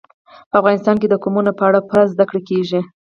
په افغانستان کې د قومونه په اړه پوره زده کړه کېږي.